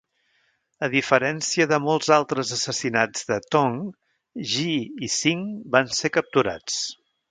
A diferència de molts altres assassinats de Tong, Gee i Sing van ser capturats.